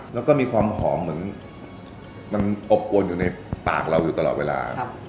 แล้วก็มีความหอมอบโวนอยู่ในปากเราอยู่ตลอดเวลา